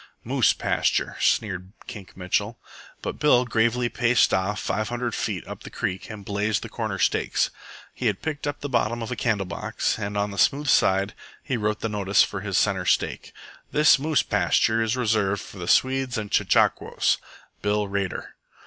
"Moose pasture," sneered Kink Mitchell. But Bill gravely paced off five hundred feet up the creek and blazed the corner stakes. He had picked up the bottom of a candle box, and on the smooth side he wrote the notice for his centre stake: THIS MOOSE PASTURE IS RESERVED FOR THE SWEDES AND CHECHAQUOS. BILL RADER.